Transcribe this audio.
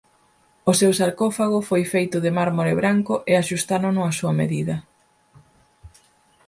O seu sarcófago foi feito de mármore branco e axustárono á súa medida.